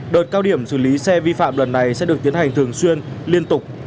đợt cao điểm xử lý xe vi phạm lần này sẽ được tiến hành thường xuyên liên tục